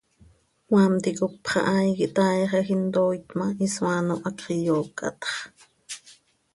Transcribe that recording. Cmaam ticop xahaai quih taaixaj, intooit ma, isoaano hacx iyoocatx.